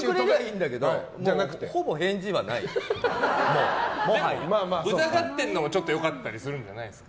うざがってるのもちょっと良かったりするんじゃないですか。